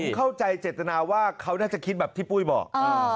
เข้าใจเจตนาว่าเขาน่าจะคิดแบบที่ปุ้ยบอก